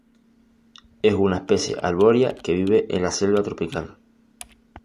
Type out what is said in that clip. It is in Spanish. Es una especie arbórea que vive en la selva tropical.